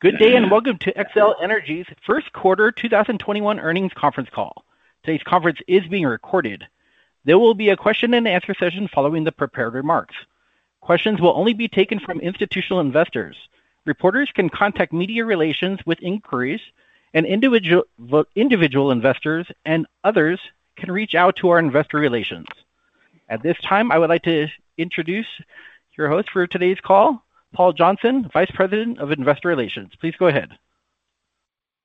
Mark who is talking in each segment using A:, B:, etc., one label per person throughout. A: Good day. Welcome to Xcel Energy's first quarter 2021 earnings conference call. Today's conference is being recorded. There will be a question and answer session following the prepared remarks. Questions will only be taken from institutional investors. Reporters can contact Media Relations with inquiries, and individual investors and others can reach out to our investor relations. At this time, I would like to introduce your host for today's call, Paul Johnson, Vice President of Investor Relations. Please go ahead.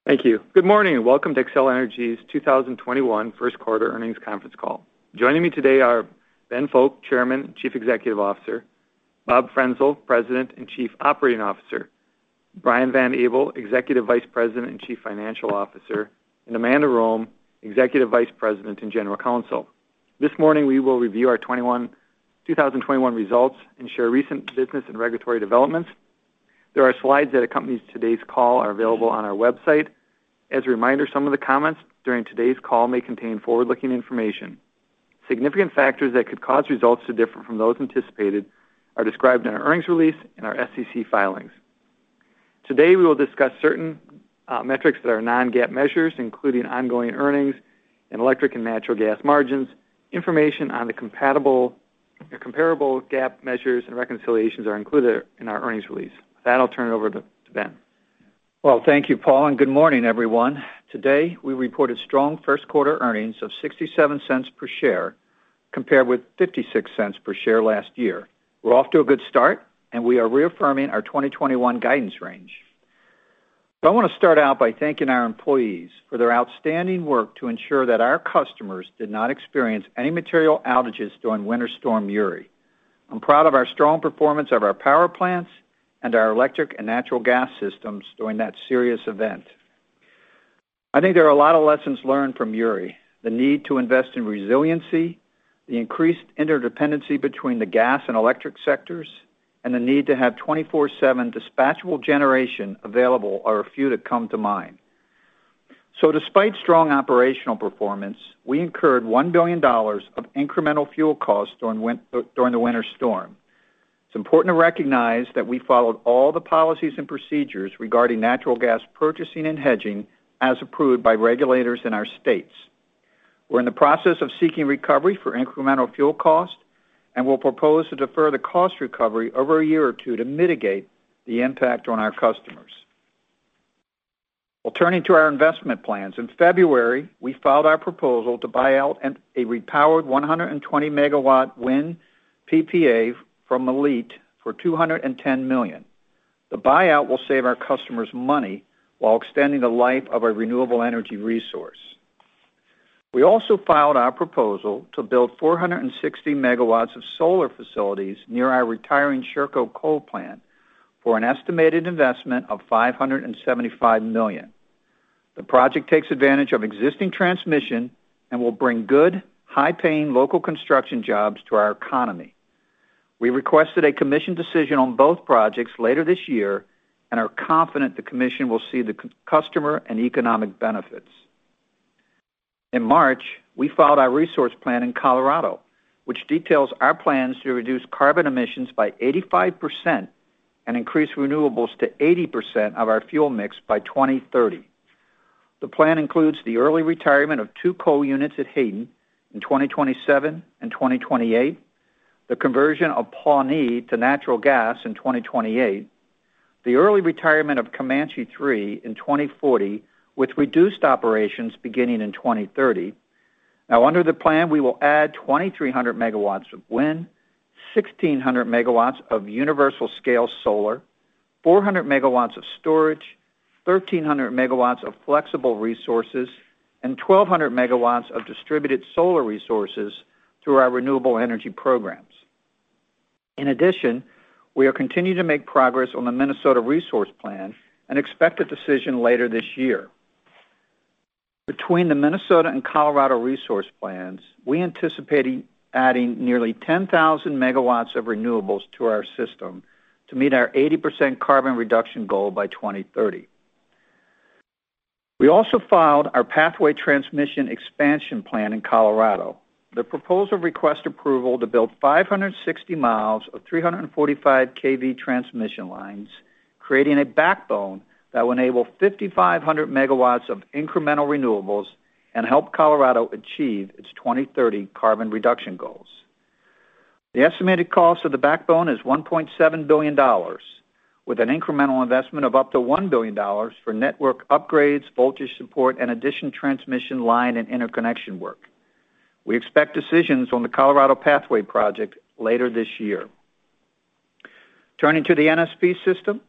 B: Thank you. Good morning, and welcome to Xcel Energy's 2021 first quarter earnings conference call. Joining me today are Ben Fowke, Chairman, Chief Executive Officer, Bob Frenzel, President and Chief Operating Officer, Brian Van Abel, Executive Vice President and Chief Financial Officer, and Amanda Rome, Executive Vice President and General Counsel. This morning, we will review our 2021 results and share recent business and regulatory developments. There are slides that accompany today's call are available on our website. As a reminder, some of the comments during today's call may contain forward-looking information. Significant factors that could cause results to differ from those anticipated are described in our earnings release and our SEC filings. Today, we will discuss certain metrics that are Non-GAAP measures, including ongoing earnings and electric and natural gas margins. Information on the comparable GAAP measures and reconciliations are included in our earnings release. With that, I'll turn it over to Ben.
C: Well, thank you, Paul, and good morning, everyone. Today, we reported strong first-quarter earnings of $0.67 per share compared with $0.56 per share last year. We're off to a good start, and we are reaffirming our 2021 guidance range. I want to start out by thanking our employees for their outstanding work to ensure that our customers did not experience any material outages during Winter Storm Uri. I'm proud of our strong performance of our power plants and our electric and natural gas systems during that serious event. I think there are a lot of lessons learned from Uri. The need to invest in resiliency, the increased interdependency between the gas and electric sectors, and the need to have 24-seven dispatchable generation available are a few that come to mind. Despite strong operational performance, we incurred $1 billion of incremental fuel costs during the winter storm. It's important to recognize that we followed all the policies and procedures regarding natural gas purchasing and hedging as approved by regulators in our states. We're in the process of seeking recovery for incremental fuel costs, and we'll propose to defer the cost recovery over a year or two to mitigate the impact on our customers. Turning to our investment plans. In February, we filed our proposal to buy out a repowered 120MW wind PPA from ALLETE for $210 million. The buyout will save our customers money while extending the life of a renewable energy resource. We also filed our proposal to build 460MW of solar facilities near our retiring Sherco Generating Station for an estimated investment of $575 million. The project takes advantage of existing transmission and will bring good, high-paying local construction jobs to our economy. We requested a commission decision on both projects later this year and are confident the commission will see the customer and economic benefits. In March, we filed our resource plan in Colorado, which details our plans to reduce carbon emissions by 85% and increase renewables to 80% of our fuel mix by 2030. The plan includes the early retirement of 2 coal units at Hayden in 2027 and 2028, the conversion of Pawnee to natural gas in 2028, the early retirement of Comanche 3 in 2040, with reduced operations beginning in 2030. Under the plan, we will add 2,300MW of wind, 1,600MW of universal scale solar, 400MW of storage, 1,300MW of flexible resources, and 1,200MW of distributed solar resources through our renewable energy programs. In addition, we are continuing to make progress on the Minnesota resource plan and expect a decision later this year. Between the Minnesota and Colorado resource plans, we anticipate adding nearly 10,000MW of renewables to our system to meet our 80% carbon reduction goal by 2030. We also filed our Pathway Transmission Expansion Plan in Colorado. The proposal requests approval to build 560 miles of 345 kV transmission lines, creating a backbone that will enable 5,500MW of incremental renewables and help Colorado achieve its 2030 carbon reduction goals. The estimated cost of the backbone is $1.7 billion, with an incremental investment of up to $1 billion for network upgrades, voltage support, and additional transmission line and interconnection work. We expect decisions on the Colorado Pathway project later this year. Turning to the NSP system,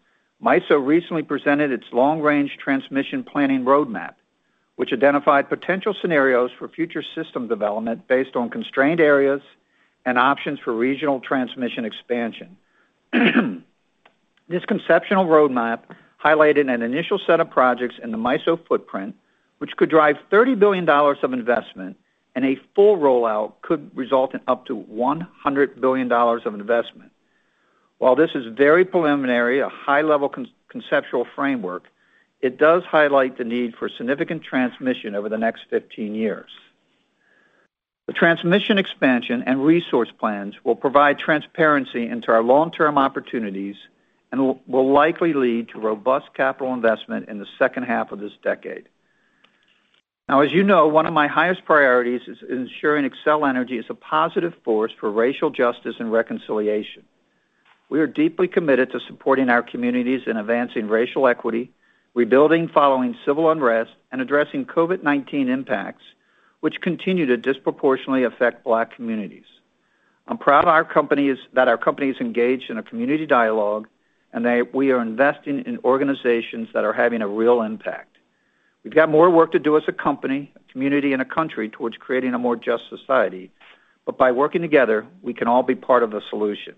C: MISO recently presented its long-range transmission planning roadmap, which identified potential scenarios for future system development based on constrained areas and options for regional transmission expansion. This conceptual roadmap highlighted an initial set of projects in the MISO footprint, which could drive $30 billion of investment, and a full rollout could result in up to $100 billion of investment. While this is very preliminary, a high-level conceptual framework, it does highlight the need for significant transmission over the next 15 years. The transmission expansion and resource plans will provide transparency into our long-term opportunities and will likely lead to robust capital investment in the second half of this decade. As you know, one of my highest priorities is ensuring Xcel Energy is a positive force for racial justice and reconciliation. We are deeply committed to supporting our communities in advancing racial equity, rebuilding following civil unrest, and addressing COVID-19 impacts, which continue to disproportionately affect Black communities. I'm proud that our company is engaged in a community dialogue, and that we are investing in organizations that are having a real impact. We've got more work to do as a company, a community, and a country towards creating a more just society. By working together, we can all be part of the solution.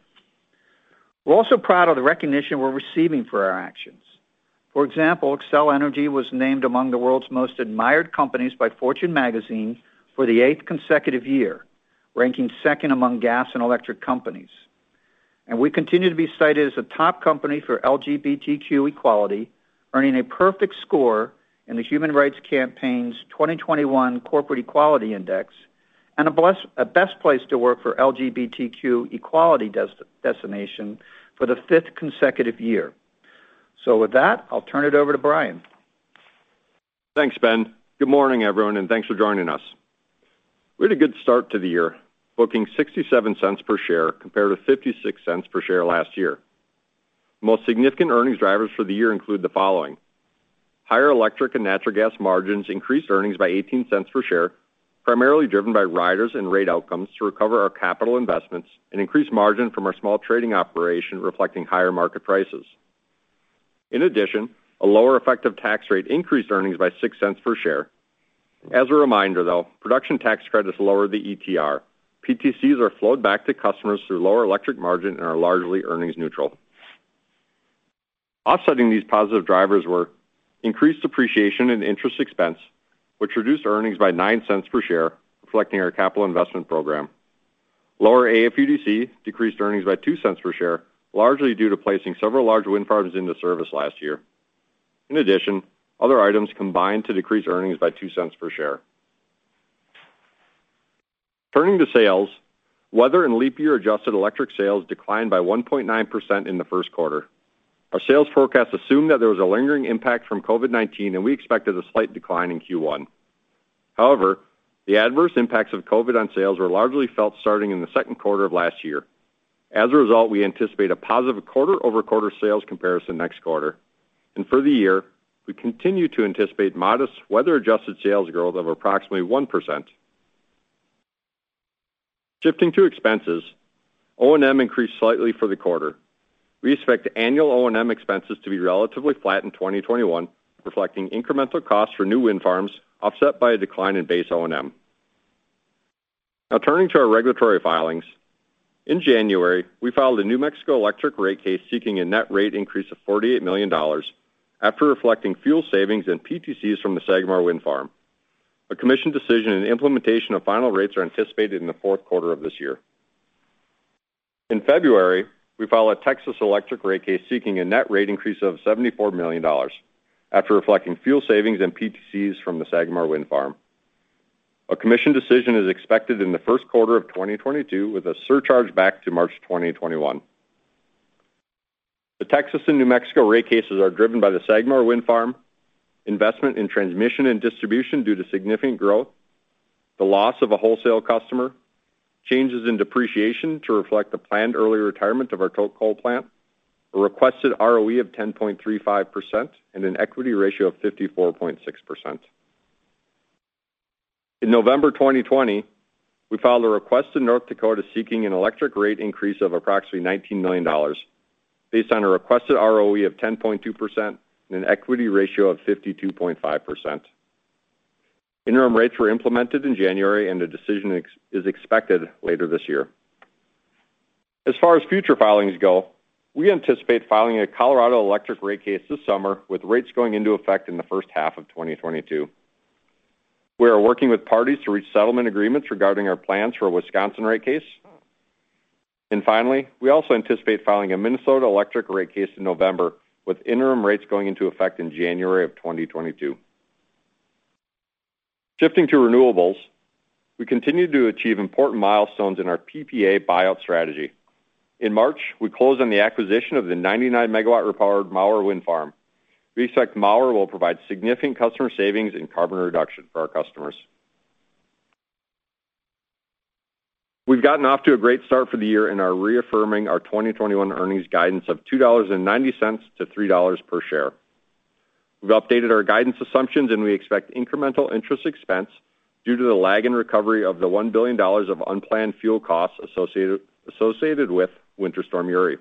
C: We're also proud of the recognition we're receiving for our actions. For example, Xcel Energy was named among the world's most admired companies by Fortune Magazine for the 8th consecutive year, ranking 2nd among gas and electric companies. We continue to be cited as a top company for LGBTQ equality, earning a perfect score in the Human Rights Campaign's 2021 Corporate Equality Index, and a Best Place to Work for LGBTQ equality designation for the fifth consecutive year. With that, I'll turn it over to Brian.
D: Thanks, Ben. Good morning, everyone, thanks for joining us. We had a good start to the year, booking $0.67 per share compared to $0.56 per share last year. The most significant earnings drivers for the year include the following. Higher electric and natural gas margins increased earnings by $0.18 per share, primarily driven by riders and rate outcomes to recover our capital investments and increase margin from our small trading operation reflecting higher market prices. A lower effective tax rate increased earnings by $0.06 per share. As a reminder, though, production tax credits lower the ETR. PTCs are flowed back to customers through lower electric margin and are largely earnings neutral. Offsetting these positive drivers were increased depreciation and interest expense, which reduced earnings by $0.09 per share, reflecting our capital investment program. Lower AFUDC decreased earnings by $0.02 per share, largely due to placing several large wind farms into service last year. In addition, other items combined to decrease earnings by $0.02 per share. Turning to sales, weather and leap year-adjusted electric sales declined by 1.9% in the first quarter. Our sales forecast assumed that there was a lingering impact from COVID-19, we expected a slight decline in Q1. However, the adverse impacts of COVID on sales were largely felt starting in the second quarter of last year. As a result, we anticipate a positive quarter-over-quarter sales comparison next quarter. For the year, we continue to anticipate modest weather-adjusted sales growth of approximately 1%. Shifting to expenses, O&M increased slightly for the quarter. We expect annual O&M expenses to be relatively flat in 2021, reflecting incremental costs for new wind farms offset by a decline in base O&M. Now turning to our regulatory filings. In January, we filed a New Mexico electric rate case seeking a net rate increase of $48 million after reflecting fuel savings and PTCs from the Sagamore Wind Project. A commission decision and implementation of final rates are anticipated in the fourth quarter of this year. In February, we filed a Texas electric rate case seeking a net rate increase of $74 million after reflecting fuel savings and PTCs from the Sagamore Wind Project. A commission decision is expected in the first quarter of 2022 with a surcharge back to March 2021. The Texas and New Mexico rate cases are driven by the Sagamore Wind Project, investment in transmission and distribution due to significant growth, the loss of a wholesale customer, changes in depreciation to reflect the planned early retirement of our coal plant, a requested ROE of 10.35%, and an equity ratio of 54.6%. In November 2020, we filed a request in North Dakota seeking an electric rate increase of approximately $19 million based on a requested ROE of 10.2% and an equity ratio of 52.5%. Interim rates were implemented in January, and a decision is expected later this year. As far as future filings go, we anticipate filing a Colorado electric rate case this summer with rates going into effect in the first half of 2022. We are working with parties to reach settlement agreements regarding our plans for a Wisconsin rate case. Finally, we also anticipate filing a Minnesota electric rate case in November, with interim rates going into effect in January of 2022. Shifting to renewables, we continue to achieve important milestones in our PPA buyout strategy. In March, we closed on the acquisition of the 99MW repowered Mower Wind Farm. We expect Mower will provide significant customer savings and carbon reduction for our customers. We've gotten off to a great start for the year and are reaffirming our 2021 earnings guidance of $2.90-$3 per share. We've updated our guidance assumptions, we expect incremental interest expense due to the lag in recovery of the $1 billion of unplanned fuel costs associated with Winter Storm Uri.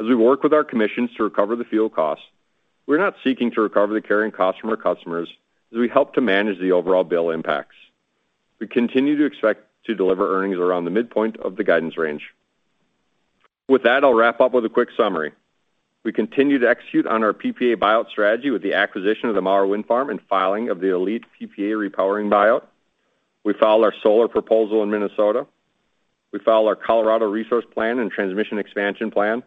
D: As we work with our commissions to recover the fuel costs, we're not seeking to recover the carrying cost from our customers as we help to manage the overall bill impacts. We continue to expect to deliver earnings around the midpoint of the guidance range. With that, I'll wrap up with a quick summary. We continue to execute on our PPA buyout strategy with the acquisition of the Mower Wind Farm and filing of the ALLETE PPA repowering buyout. We filed our solar proposal in Minnesota. We file our Colorado Resource Plan and Transmission Expansion Plan,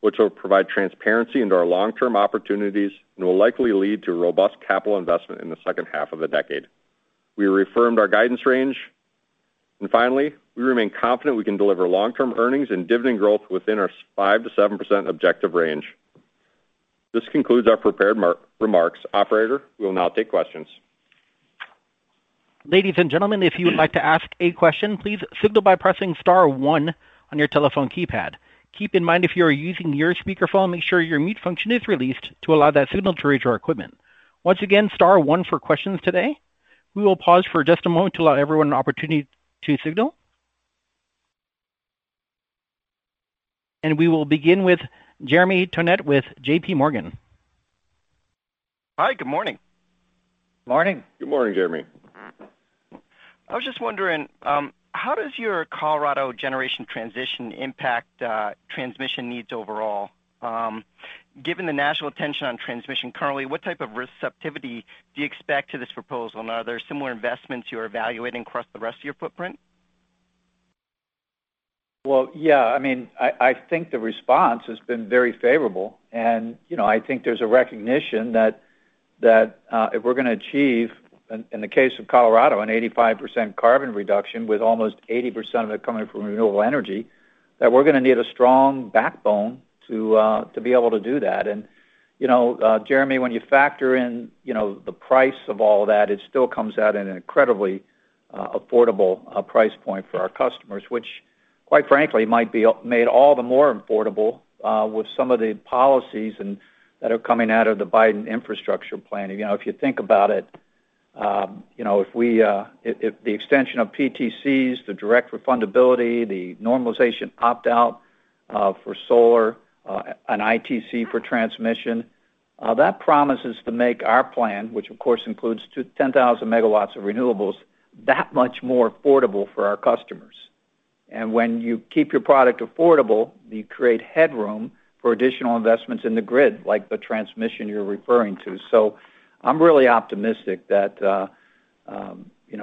D: which will provide transparency into our long-term opportunities and will likely lead to robust capital investment in the second half of the decade. We reaffirmed our guidance range. Finally, we remain confident we can deliver long-term earnings and dividend growth within our 5%-7% objective range. This concludes our prepared remarks. Operator, we will now take questions.
A: Ladies and gentlemen, if you would like to ask a question, please signal by pressing star one on your telephone keypad. Keep in mind, if you are using your speakerphone, make sure your mute function is released to allow that signal to reach our equipment. Once again, star one for questions today. We will pause for just a moment to allow everyone an opportunity to signal. We will begin with Jeremy Tonet with J.P. Morgan.
E: Hi, good morning.
F: Morning.
D: Good morning, Jeremy.
E: I was just wondering, how does your Colorado generation transition impact transmission needs overall? Given the national attention on transmission currently, what type of receptivity do you expect to this proposal, and are there similar investments you're evaluating across the rest of your footprint?
C: Well, yeah, I think the response has been very favorable. I think there's a recognition that if we're going to achieve, in the case of Colorado, an 85% carbon reduction with almost 80% of it coming from renewable energy, that we're going to need a strong backbone to be able to do that. Jeremy, when you factor in the price of all that, it still comes out in an incredibly affordable price point for our customers, which quite frankly, might be made all the more affordable, with some of the policies that are coming out of the Biden Infrastructure Plan. If you think about it, if the extension of PTCs, the direct refundability, the normalization opt-out, for solar, an ITC for transmission, that promises to make our plan, which of course includes 10,000MW of renewables, that much more affordable for our customers. When you keep your product affordable, you create headroom for additional investments in the grid, like the transmission you're referring to. I'm really optimistic that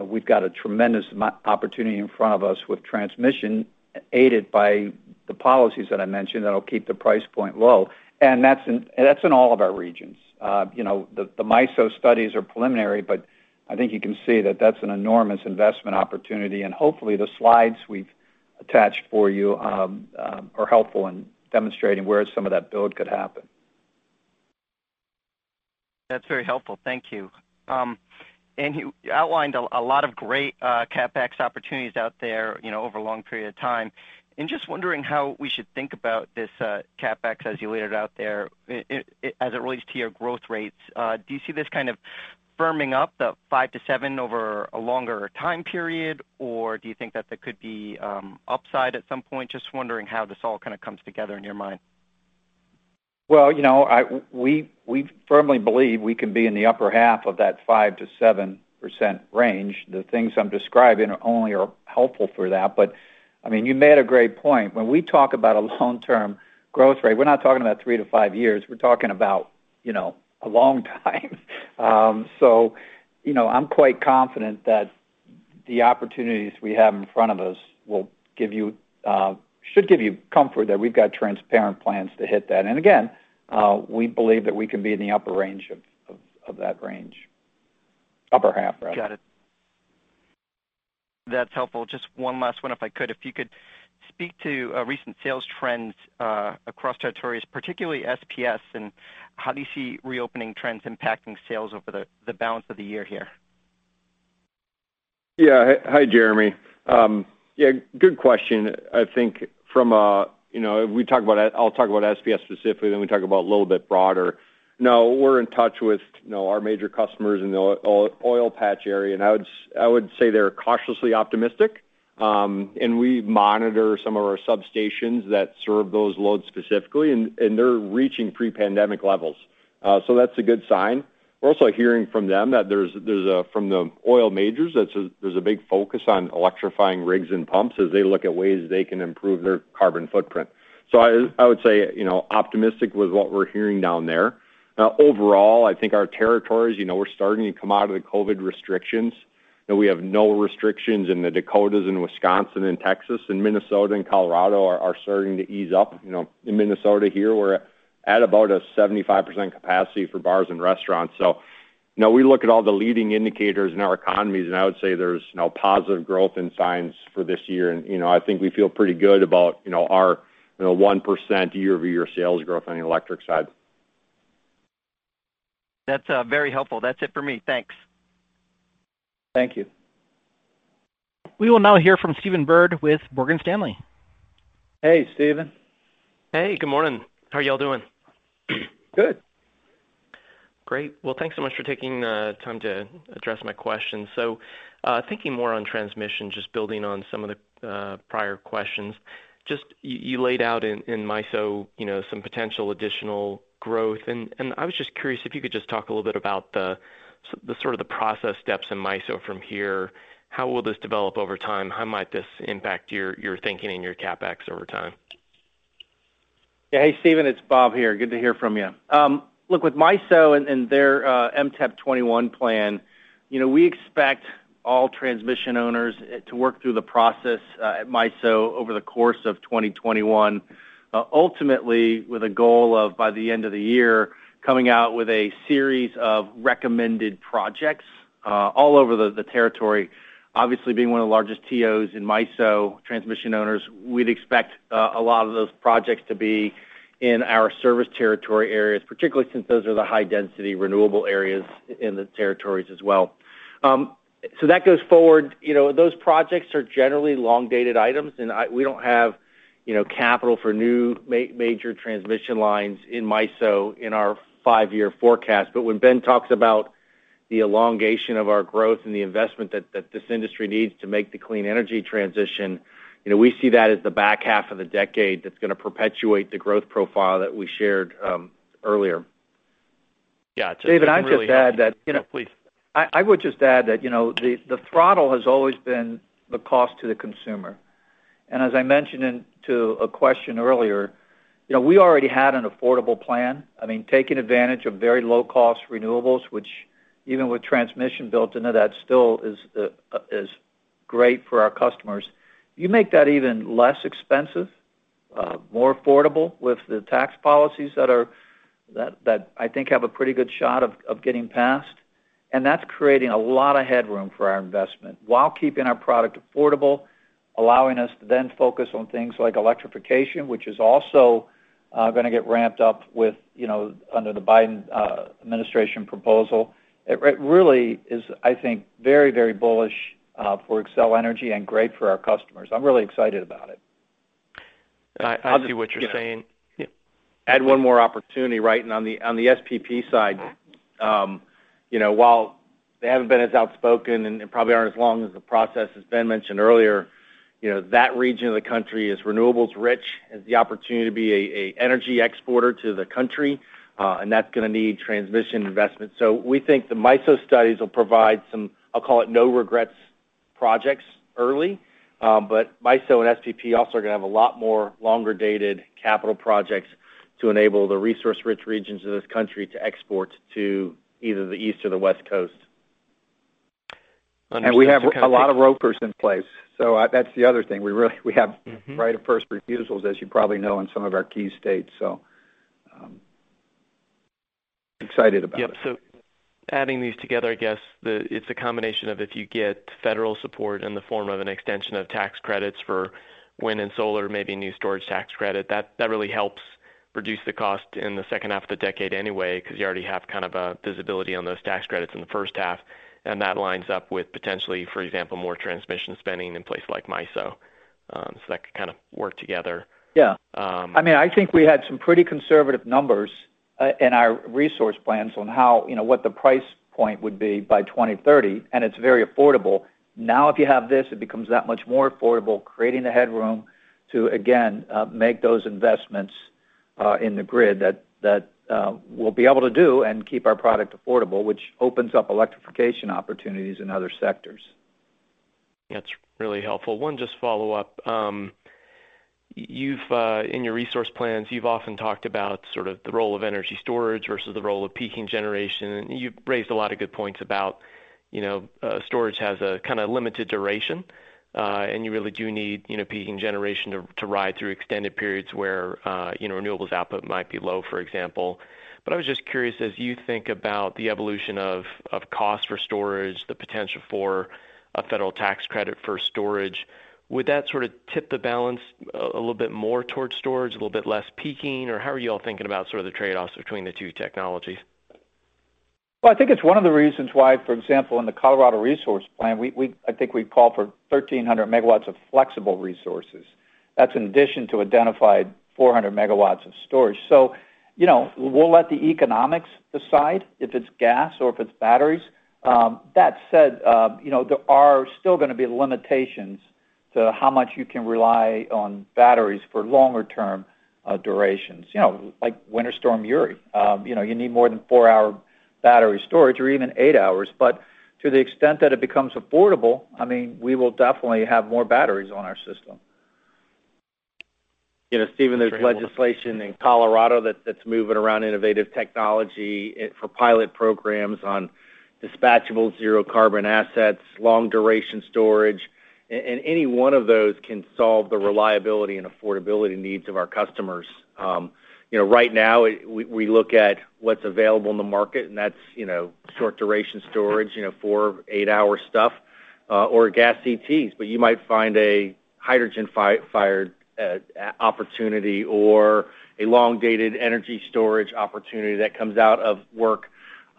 C: we've got a tremendous amount opportunity in front of us with transmission, aided by the policies that I mentioned, that'll keep the price point low. That's in all of our regions. The MISO studies are preliminary, but I think you can see that that's an enormous investment opportunity, and hopefully the slides we've attached for you are helpful in demonstrating where some of that build could happen.
E: That's very helpful. Thank you. You outlined a lot of great CapEx opportunities out there over a long period of time, and just wondering how we should think about this CapEx as you laid it out there as it relates to your growth rates. Do you see this kind of firming up, the 5%-7% over a longer time period, or do you think that there could be upside at some point? Just wondering how this all kind of comes together in your mind.
C: Well, we firmly believe we can be in the upper half of that 5%-7% range. The things I'm describing only are helpful for that. You made a great point. When we talk about a long-term growth rate, we're not talking about three to five years. We're talking about a long time. I'm quite confident that the opportunities we have in front of us should give you comfort that we've got transparent plans to hit that. Again, we believe that we can be in the upper range of that range. Upper half, rather.
E: Got it. That's helpful. Just one last one, if I could. If you could speak to recent sales trends across territories, particularly SPS, and how do you see reopening trends impacting sales over the balance of the year here?
D: Hi, Jeremy. Good question. I'll talk about SPS specifically, then we talk about a little bit broader. We're in touch with our major customers in the oil patch area, and I would say they're cautiously optimistic. We monitor some of our substations that serve those loads specifically, and they're reaching pre-pandemic levels. That's a good sign. We're also hearing from them that from the oil majors, there's a big focus on electrifying rigs and pumps as they look at ways they can improve their carbon footprint. I would say, optimistic with what we're hearing down there. Overall, I think our territories, we're starting to come out of the COVID restrictions, and we have no restrictions in the Dakotas and Wisconsin and Texas, and Minnesota and Colorado are starting to ease up. In Minnesota here, we're at about a 75% capacity for bars and restaurants. We look at all the leading indicators in our economies, and I would say there's positive growth in signs for this year. I think we feel pretty good about our 1% year-over-year sales growth on the electric side.
E: That's very helpful. That's it for me. Thanks.
F: Thank you.
A: We will now hear from Stephen Byrd with Morgan Stanley.
F: Hey, Stephen.
G: Hey, good morning. How are you all doing?
F: Good.
G: Great. Well, thanks so much for taking the time to address my question. Thinking more on transmission, just building on some of the prior questions. You laid out in MISO some potential additional growth, and I was just curious if you could just talk a little bit about the process steps in MISO from here. How will this develop over time? How might this impact your thinking and your CapEx over time?
F: Yeah. Hey, Stephen, it's Bob here. Good to hear from you. With MISO and their MTEP '21 plan, we expect all transmission owners to work through the process at MISO over the course of 2021, ultimately, with a goal of, by the end of the year, coming out with a series of recommended projects all over the territory. Obviously, being one of the largest TOs in MISO, transmission owners, we'd expect a lot of those projects to be in our service territory areas, particularly since those are the high-density renewable areas in the territories as well. That goes forward. Those projects are generally long-dated items, and we don't have capital for new major transmission lines in MISO in our five-year forecast. When Ben talks about the elongation of our growth and the investment that this industry needs to make the clean energy transition, we see that as the back half of the decade that's going to perpetuate the growth profile that we shared earlier.
G: Yeah.
C: Stephen, I'd just add.
G: Yeah, please.
C: I would just add that the throttle has always been the cost to the consumer. As I mentioned to a question earlier, we already had an affordable plan. Taking advantage of very low-cost renewables, which even with transmission built into that, still is great for our customers. You make that even less expensive, more affordable with the tax policies that I think have a pretty good shot of getting passed, that's creating a lot of headroom for our investment while keeping our product affordable, allowing us to then focus on things like electrification, which is also going to get ramped up under the Biden administration proposal. It really is, I think, very bullish for Xcel Energy and great for our customers. I'm really excited about it.
G: I see what you're saying.
F: One more opportunity, right, on the SPP side. While they haven't been as outspoken, and probably aren't as long as the process, as Ben mentioned earlier, that region of the country is renewables-rich. It has the opportunity to be an energy exporter to the country, and that's going to need transmission investment. We think the MISO studies will provide some, I'll call it no-regrets projects early. MISO and SPP also are going to have a lot more longer-dated capital projects to enable the resource-rich regions of this country to export to either the East or the West Coast.
G: Understood. Okay.
C: We have a lot of ROFRs in place, so that's the other thing. We have right of first refusals, as you probably know, in some of our key states, so I'm excited about it.
G: Yep. Adding these together, I guess it's a combination of if you get federal support in the form of an extension of tax credits for wind and solar, maybe new storage tax credit, that really helps reduce the cost in the second half of the decade anyway, because you already have kind of a visibility on those tax credits in the first half. That lines up with potentially, for example, more transmission spending in a place like MISO. That could kind of work together.
C: Yeah. I think we had some pretty conservative numbers in our resource plans on what the price point would be by 2030, and it's very affordable. Now, if you have this, it becomes that much more affordable, creating the headroom to, again, make those investments in the grid that we'll be able to do and keep our product affordable, which opens up electrification opportunities in other sectors.
G: That's really helpful. One just follow-up. In your resource plans, you've often talked about sort of the role of energy storage versus the role of peaking generation, and you've raised a lot of good points about storage has a kind of limited duration. And you really do need peaking generation to ride through extended periods where renewables output might be low, for example. But I was just curious, as you think about the evolution of cost for storage, the potential for a federal tax credit for storage, would that sort of tip the balance a little bit more towards storage, a little bit less peaking? Or how are you all thinking about sort of the trade-offs between the two technologies?
C: Well, I think it's one of the reasons why, for example, in the Colorado resource plan, I think we call for 1,300MW of flexible resources. That's in addition to identified 400MW of storage. We'll let the economics decide if it's gas or if it's batteries. That said, there are still going to be limitations to how much you can rely on batteries for longer-term durations, like Winter Storm Uri. You need more than four-hour battery storage or even eight hours. To the extent that it becomes affordable, we will definitely have more batteries on our system.
F: Stephen, there's legislation in Colorado that's moving around innovative technology for pilot programs on dispatchable zero-carbon assets, long-duration storage, and any one of those can solve the reliability and affordability needs of our customers. Right now, we look at what's available in the market, and that's short-duration storage, four or eight-hour stuff or gas CTs. You might find a hydrogen-fired opportunity or a long-dated energy storage opportunity that comes out of work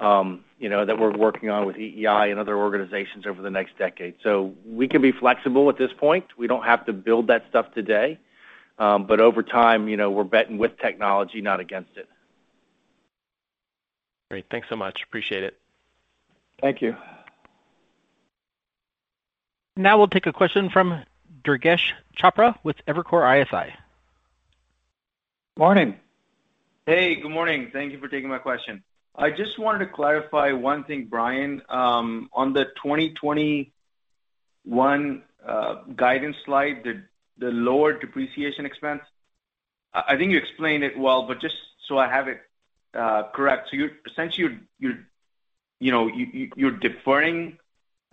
F: that we're working on with EEI and other organizations over the next decade. We can be flexible at this point. We don't have to build that stuff today. Over time, we're betting with technology, not against it.
G: Great. Thanks so much. Appreciate it.
C: Thank you.
A: Now we'll take a question from Durgesh Chopra with Evercore ISI.
C: Morning.
H: Hey, good morning. Thank you for taking my question. I just wanted to clarify one thing, Brian. On the 2021 guidance slide, the lower depreciation expense, I think you explained it well, but just so I have it correct. Essentially, you're deferring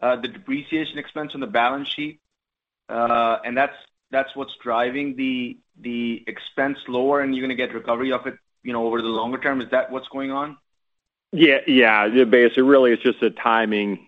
H: the depreciation expense on the balance sheet, and that's what's driving the expense lower, and you're going to get recovery of it over the longer term. Is that what's going on?
D: Basically, really, it's just the timing.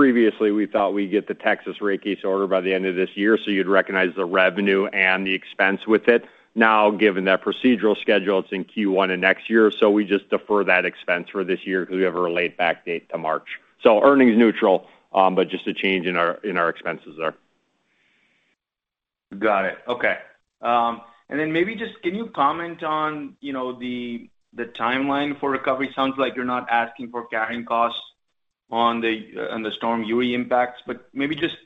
D: Previously, we thought we'd get the Texas rate case order by the end of this year, so you'd recognize the revenue and the expense with it. Given that procedural schedule, it's in Q1 of next year, so we just defer that expense for this year because we have a relate back date to March. Earnings neutral, but just a change in our expenses there.
H: Got it. Okay. Maybe just can you comment on the timeline for recovery? Sounds like you're not asking for carrying costs on the Storm Uri impacts, but maybe just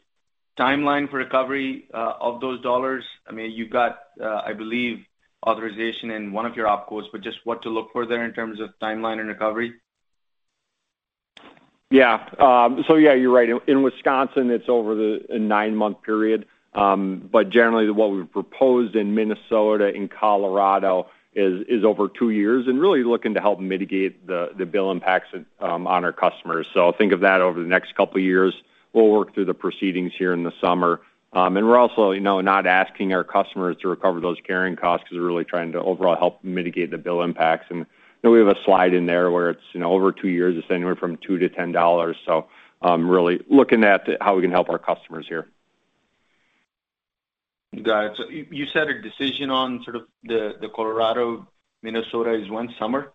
H: timeline for recovery of those dollars. You've got, I believe, authorization in one of your op cos, but just what to look for there in terms of timeline and recovery.
D: Yeah. You're right. In Wisconsin, it's over a nine-month period. Generally, what we've proposed in Minnesota and Colorado is over two years, and really looking to help mitigate the bill impacts on our customers. Think of that over the next couple of years. We'll work through the proceedings here in the summer. We're also not asking our customers to recover those carrying costs because we're really trying to overall help mitigate the bill impacts. We have a slide in there where it's over two years, it's anywhere from $2 to $10. Really looking at how we can help our customers here.
H: Got it. You said a decision on sort of the Colorado, Minnesota is when? Summer?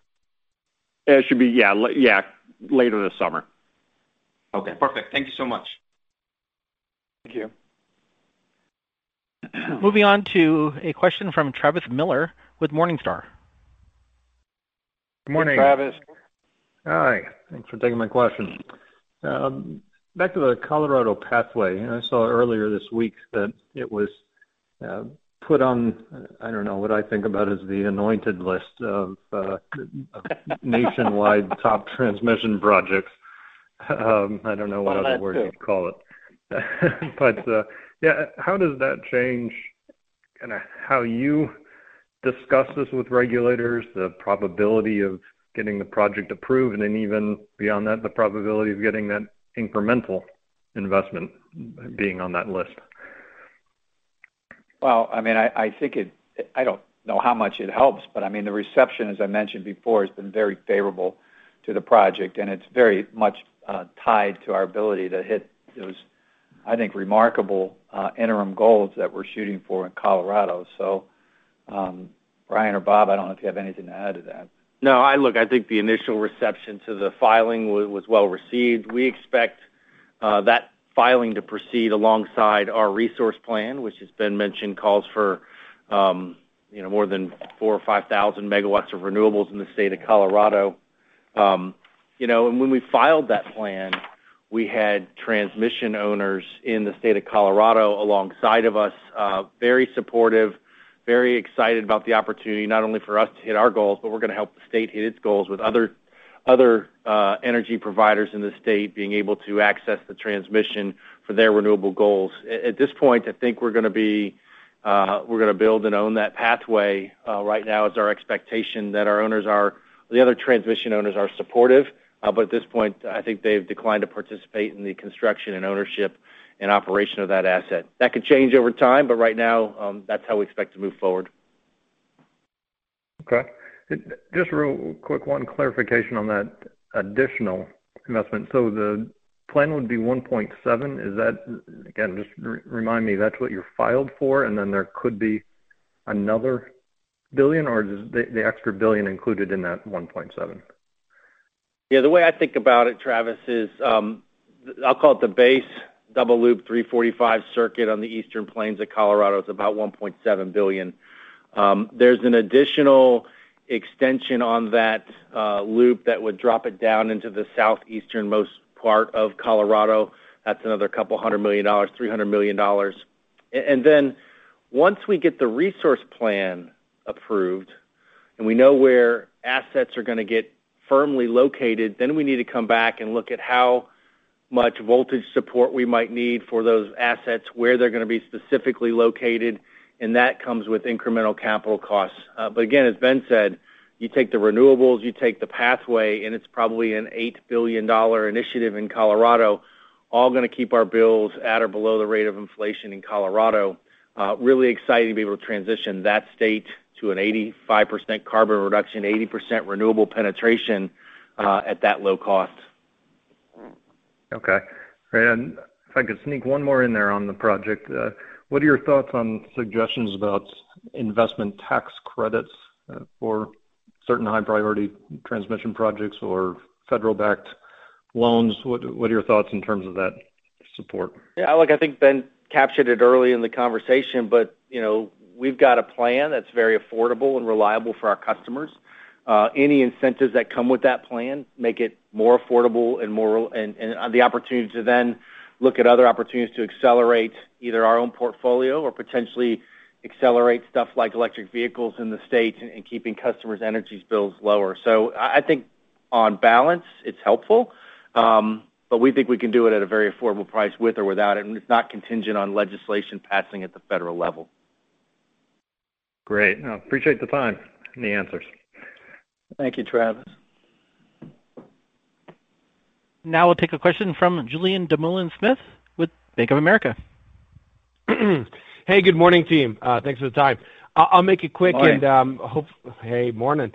D: It should be, yeah. Later this summer.
H: Okay, perfect. Thank you so much.
D: Thank you.
A: Moving on to a question from Travis Miller with Morningstar.
C: Good morning. Travis.
D: Hi.
I: Thanks for taking my question. Back to the Colorado Pathway. I saw earlier this week that it was put on, I don't know, what I think about as the anointed list of nationwide top transmission projects. I don't know what other word you'd call it. How does that change how you discuss this with regulators, the probability of getting the project approved, and then even beyond that, the probability of getting that incremental investment being on that list?
C: I don't know how much it helps, but the reception, as I mentioned before, has been very favorable to the project, and it's very much tied to our ability to hit those, I think, remarkable interim goals that we're shooting for in Colorado. Brian or Bob, I don't know if you have anything to add to that.
F: No. Look, I think the initial reception to the filing was well-received. We expect that filing to proceed alongside our resource plan, which as Ben mentioned, calls for more than 4,000MW or 5,000MW of renewables in the state of Colorado. When we filed that plan, we had transmission owners in the state of Colorado alongside of us, very supportive, very excited about the opportunity, not only for us to hit our goals, but we're going to help the state hit its goals with other energy providers in the state being able to access the transmission for their renewable goals. At this point, I think we're going to build and own that pathway. Right now it's our expectation that the other transmission owners are supportive. At this point, I think they've declined to participate in the construction and ownership and operation of that asset. That could change over time, but right now, that's how we expect to move forward.
I: Okay. Just real quick, one clarification on that additional investment. The plan would be $1.7? Again, just remind me, that's what you filed for, and then there could be another $1 billion, or is the extra $1 billion included in that $1.7?
F: The way I think about it, Travis, is I'll call it the base double loop 345 circuit on the eastern plains of Colorado. It's about $1.7 billion. There's an additional extension on that loop that would drop it down into the southeasternmost part of Colorado. That's another couple hundred million dollars, $300 million. Once we get the resource plan approved and we know where assets are going to get firmly located, we need to come back and look at how much voltage support we might need for those assets, where they're going to be specifically located, that comes with incremental capital costs. Again, as Ben said, you take the renewables, you take the pathway, it's probably an $8 billion initiative in Colorado, all going to keep our bills at or below the rate of inflation in Colorado.
D: Really exciting to be able to transition that state to an 85% carbon reduction, 80% renewable penetration at that low cost.
I: Okay. If I could sneak one more in there on the project. What are your thoughts on suggestions about investment tax credits for certain high-priority transmission projects or federal-backed loans? What are your thoughts in terms of that support?
F: Yeah, look, I think Ben captured it early in the conversation. We've got a plan that's very affordable and reliable for our customers. Any incentives that come with that plan make it more affordable and the opportunity to then look at other opportunities to accelerate either our own portfolio or potentially accelerate stuff like electric vehicles in the states and keeping customers' energy bills lower. I think on balance, it's helpful. We think we can do it at a very affordable price with or without, and it's not contingent on legislation passing at the federal level.
I: Great. No, appreciate the time and the answers.
C: Thank you, Travis.
A: Now we'll take a question from Julien Dumoulin-Smith with Bank of America.
J: Hey, good morning, team. Thanks for the time. I'll make it quick.
D: Morning.
J: Hey, morning.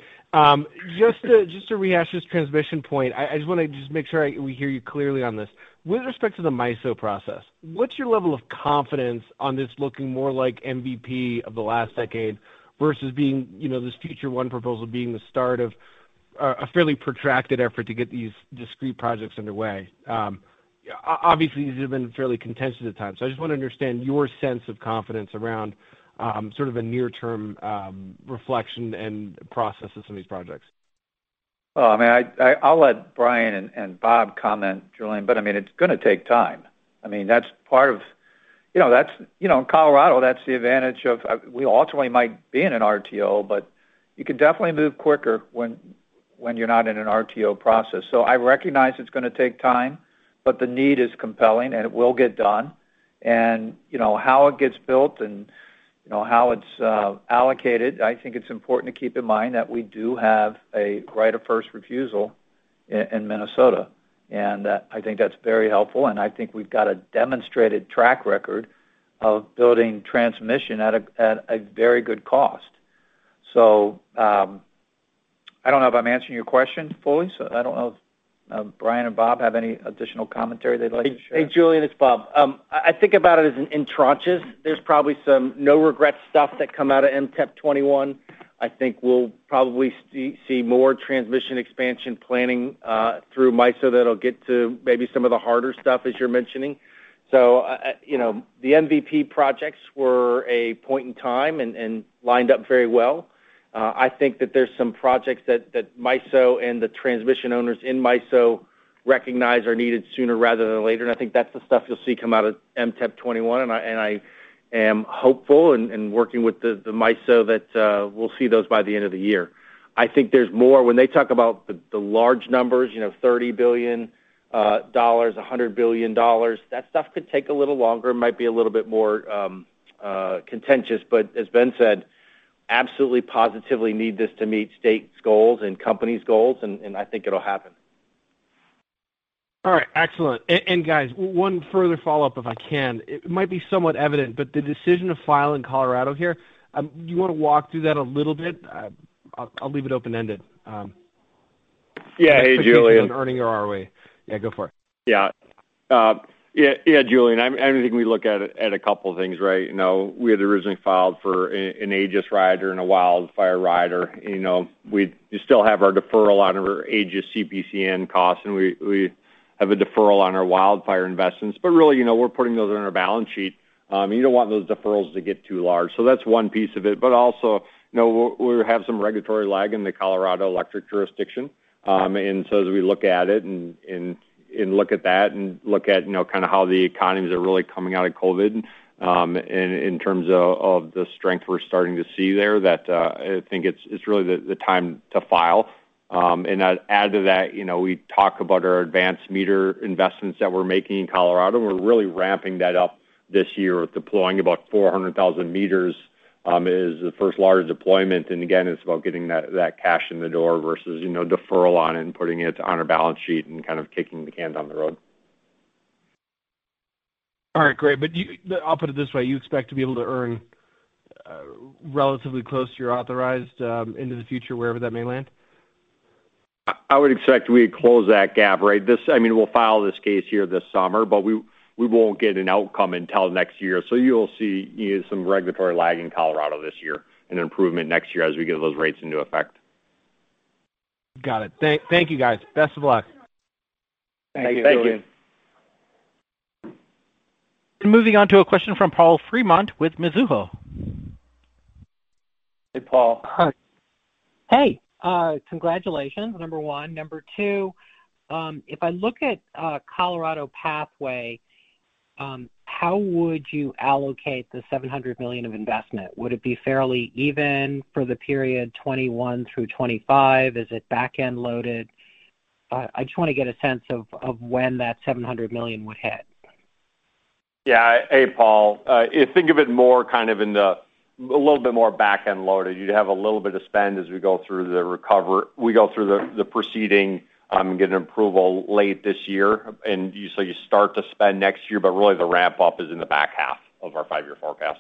J: Just to rehash this transmission point, I just want to make sure we hear you clearly on this. With respect to the MISO process, what's your level of confidence on this looking more like MVP of the last decade versus being this Future 1 proposal being the start of a fairly protracted effort to get these discrete projects underway? Obviously, these have been fairly contentious at times, so I just want to understand your sense of confidence around sort of a near-term reflection and process of some of these projects.
C: I'll let Brian and Bob comment, Julien, but it's going to take time. In Colorado, that's the advantage of, we ultimately might be in an RTO, but you can definitely move quicker when you're not in an RTO process. I recognize it's going to take time, but the need is compelling, and it will get done. How it gets built and how it's allocated, I think it's important to keep in mind that we do have a right of first refusal in Minnesota, and I think that's very helpful, and I think we've got a demonstrated track record of building transmission at a very good cost. I don't know if I'm answering your question fully, so I don't know if Brian and Bob have any additional commentary they'd like to share.
F: Hey, Julien, it's Bob. I think about it as in tranches. There's probably some no-regret stuff that come out of MTEP21. I think we'll probably see more transmission expansion planning through MISO that'll get to maybe some of the harder stuff, as you're mentioning. The MVP projects were a point in time and lined up very well. I think that there's some projects that MISO and the transmission owners in MISO recognize are needed sooner rather than later, and I think that's the stuff you'll see come out of MTEP21, and I am hopeful in working with the MISO that we'll see those by the end of the year. I think there's more when they talk about the large numbers, $30 billion, $100 billion. That stuff could take a little longer, might be a little bit more contentious. As Ben said, absolutely positively need this to meet state's goals and company's goals. I think it'll happen.
J: All right. Excellent. Guys, one further follow-up, if I can. It might be somewhat evident, but the decision to file in Colorado here, do you want to walk through that a little bit? I'll leave it open-ended.
D: Yeah. Hey, Julien. Especially on earning your ROE. Yeah, go for it. Yeah. Julien, I think we look at a couple of things, right? We had originally filed for an AGIS rider and a wildfire rider. We still have our deferral on our AGIS CPCN costs, and we have a deferral on our wildfire investments. Really, we're putting those on our balance sheet. You don't want those deferrals to get too large. That's one piece of it. Also, we have some regulatory lag in the Colorado electric jurisdiction. As we look at it and look at that and look at kind of how the economies are really coming out of COVID, in terms of the strength we're starting to see there, that I think it's really the time to file. I'd add to that, we talk about our advanced meter investments that we're making in Colorado. We're really ramping that up this year with deploying about 400,000 meters, is the first large deployment. Again, it's about getting that cash in the door versus deferral on it and putting it on our balance sheet and kind of kicking the cans down the road.
J: All right, great. I'll put it this way, you expect to be able to earn relatively close to your authorized into the future, wherever that may land?
D: I would expect we close that gap, right? We'll file this case here this summer, but we won't get an outcome until next year. You'll see some regulatory lag in Colorado this year and an improvement next year as we get those rates into effect.
J: Got it. Thank you, guys. Best of luck.
D: Thank you.
F: Thank you.
A: Moving on to a question from Paul Fremont with Mizuho.
D: Hey, Paul.
K: Hi. Hey, congratulations, number one. Number two, if I look at Colorado's Power Pathway, how would you allocate the $700 million of investment? Would it be fairly even for the period 2021 through 2025? Is it back-end loaded? I just want to get a sense of when that $700 million would hit.
D: Yeah. Hey, Paul. Think of it more kind of in the, a little bit more back-end loaded. You'd have a little bit of spend as we go through the proceeding, get an approval late this year. You start to spend next year, but really the ramp-up is in the back half of our five-year forecast.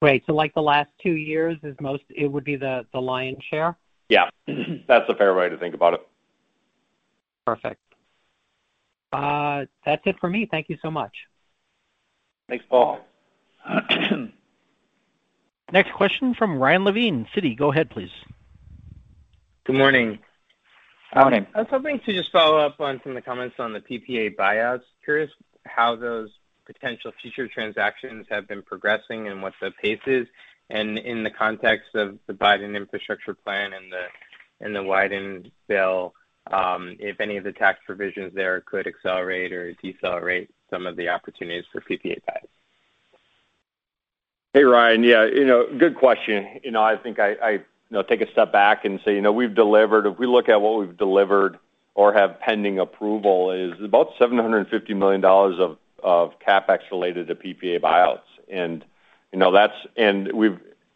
K: Great. Like the last two years is most, it would be the lion's share?
D: Yeah. That's a fair way to think about it.
K: Perfect. That's it for me. Thank you so much.
D: Thanks, Paul.
A: Next question from Ryan Levine, Citi. Go ahead, please.
L: Good morning.
D: Morning.
L: I was hoping to just follow up on some of the comments on the PPA buyouts. Curious how those potential future transactions have been progressing and what the pace is, and in the context of the Biden infrastructure plan and the Wyden bill, if any of the tax provisions there could accelerate or decelerate some of the opportunities for PPA buyouts?
D: Hey, Ryan. Yeah. Good question. I think I take a step back and say, if we look at what we've delivered or have pending approval, is about $750 million of CapEx related to PPA buyouts.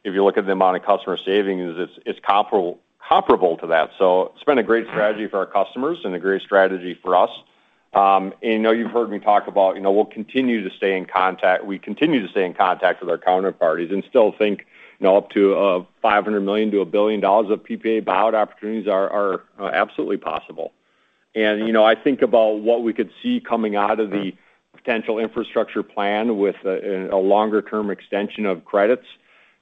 D: If you look at the amount of customer savings, it's comparable to that. It's been a great strategy for our customers and a great strategy for us. I know you've heard me talk about we continue to stay in contact with our counterparties and still think up to $500 million-$1 billion of PPA buyout opportunities are absolutely possible. I think about what we could see coming out of the potential infrastructure plan with a longer-term extension of credits.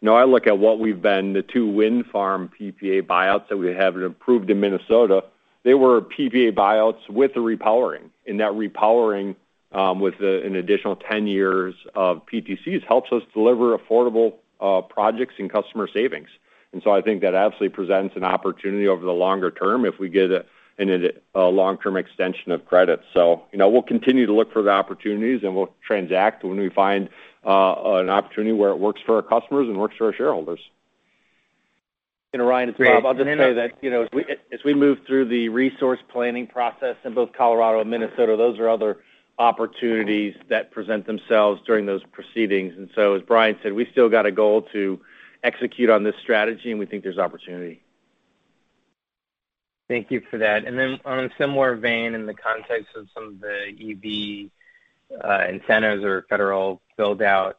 D: I look at what we've been, the two wind farm PPA buyouts that we have approved in Minnesota, they were PPA buyouts with a repowering, and that repowering with an additional 10 years of PTCs helps us deliver affordable projects and customer savings. I think that absolutely presents an opportunity over the longer term if we get a long-term extension of credit. We'll continue to look for the opportunities, and we'll transact when we find an opportunity where it works for our customers and works for our shareholders.
F: Ryan, it's Bob. I'll just say that as we move through the resource planning process in both Colorado and Minnesota, those are other opportunities that present themselves during those proceedings. As Brian said, we still got a goal to execute on this strategy, and we think there's opportunity.
L: Thank you for that. On a similar vein, in the context of some of the EV incentives or federal build-out,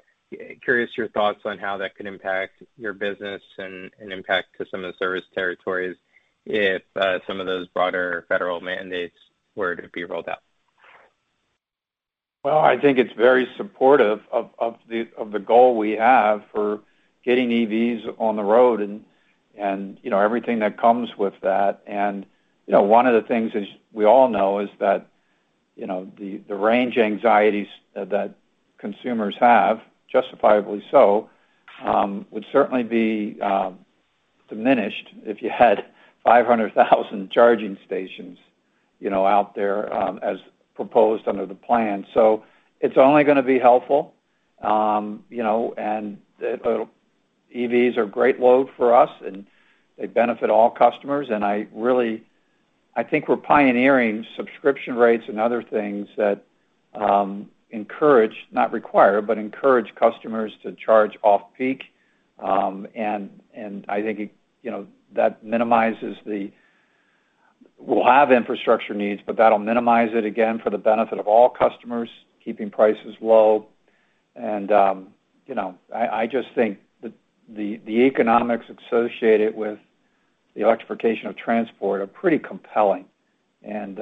L: curious your thoughts on how that could impact your business and impact to some of the service territories if some of those broader federal mandates were to be rolled out.
C: I think it's very supportive of the goal we have for getting EVs on the road and everything that comes with that. One of the things, as we all know, is that the range anxieties that consumers have, justifiably so, would certainly be diminished if you had 500,000 charging stations out there as proposed under the plan. It's only going to be helpful. EVs are great load for us, and they benefit all customers. I think we're pioneering subscription rates and other things that encourage, not require, but encourage customers to charge off-peak. I think we'll have infrastructure needs, but that'll minimize it again for the benefit of all customers, keeping prices low. I just think the economics associated with the electrification of transport are pretty compelling, and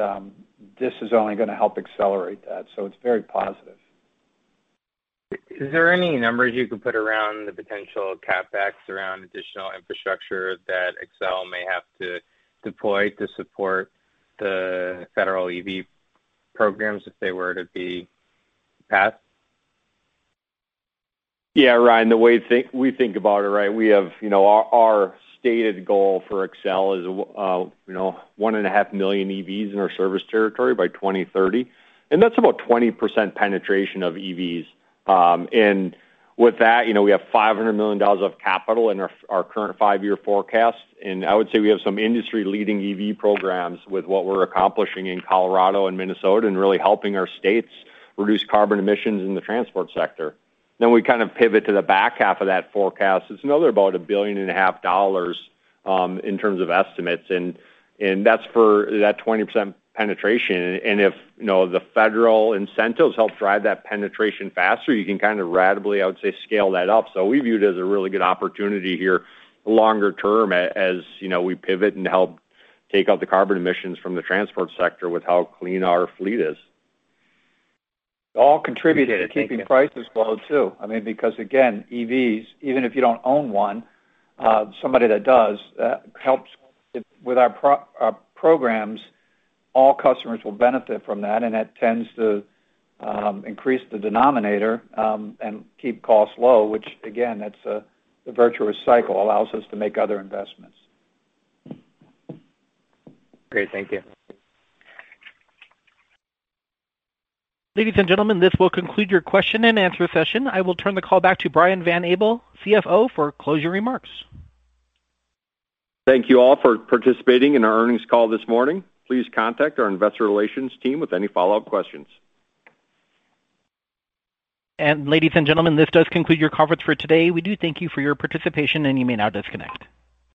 C: this is only going to help accelerate that. It's very positive.
L: Is there any numbers you can put around the potential CapEx around additional infrastructure that Xcel may have to deploy to support the federal EV programs if they were to be passed?
D: Yeah, Ryan, the way we think about it, our stated goal for Xcel is 1.5 million EVs in our service territory by 2030, and that's about 20% penetration of EVs. With that, we have $500 million of capital in our current five-year forecast. I would say we have some industry-leading EV programs with what we're accomplishing in Colorado and Minnesota and really helping our states reduce carbon emissions in the transport sector. We kind of pivot to the back half of that forecast. It's another about $1.5 billion in terms of estimates, and that's for that 20% penetration. If the federal incentives help drive that penetration faster, you can kind of radically, I would say, scale that up. We view it as a really good opportunity here longer term as we pivot and help take out the carbon emissions from the transport sector with how clean our fleet is. It all contributes to keeping prices low, too. I mean, because, again, EVs, even if you don't own one, somebody that does helps with our programs, all customers will benefit from that, and that tends to increase the denominator and keep costs low, which again, that's the virtuous cycle, allows us to make other investments.
L: Great. Thank you.
A: Ladies and gentlemen, this will conclude your question-and-answer session. I will turn the call back to Brian Van Abel, CFO, for closing remarks.
D: Thank you all for participating in our earnings call this morning. Please contact our investor relations team with any follow-up questions.
A: Ladies and gentlemen, this does conclude your conference for today. We do thank you for your participation, and you may now disconnect.